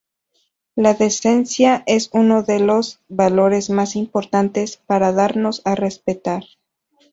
La decencia es uno de los valores más importantes para darnos a respetar.